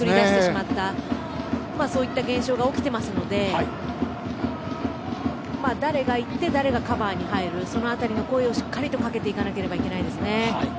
そういった現象が起きていますので誰が行って誰がカバーに入るかその辺りの声をしっかりとかけていかなければいけないですね。